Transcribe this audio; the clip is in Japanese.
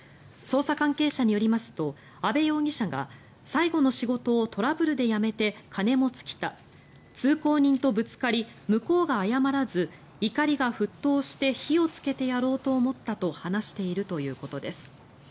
捜査関係者によりますと阿部容疑者が最後の仕事をトラブルで辞めて金も尽きた通行人とぶつかり向こうが謝らず怒りが沸騰して火をつけてやろうと思ったと話しているということです。